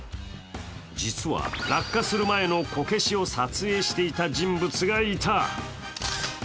実は落下する前のこけしを撮影していた人物がいた。